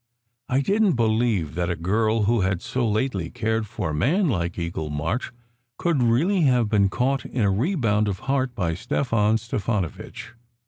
I didn t believe that a girl who had so lately cared for a man like Eagle March could really have been caught in a rebound of heart by Stefan Stefanovitch.